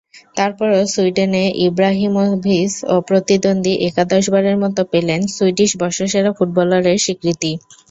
তারপরও সুইডেনে ইব্রাহিমোভিচ অপ্রতিদ্বন্দ্বী, একাদশবারের মতো পেলেন সুইডিশ বর্ষসেরা ফুটবলারের স্বীকৃতি।